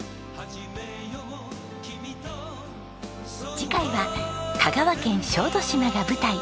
次回は香川県小豆島が舞台。